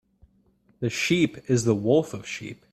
The sheep is the wolf of sheep.